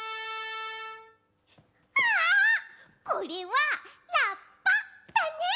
あこれはラッパだね！